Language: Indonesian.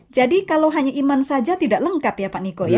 jadi kalau hanya iman saja tidak lengkap ya pak nikol ya